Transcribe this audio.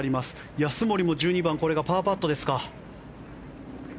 安森も１２番これがパーパットですか。